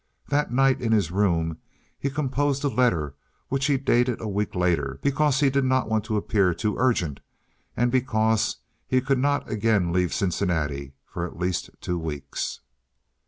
That night in his room he composed a letter, which he dated a week later, because he did not want to appear too urgent and because he could not again leave Cincinnati for at least two weeks.